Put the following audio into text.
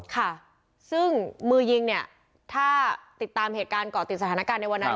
ค่ะซึ่งมือยิงเนี่ยถ้าติดตามเหตุการณ์ก่อติดสถานการณ์ในวันนั้น